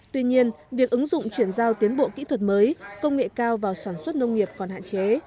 tuy nhiên việc ứng dụng chuyển giao tiến bộ kỹ thuật mới công nghệ cao vào sản xuất nông nghiệp còn hạn chế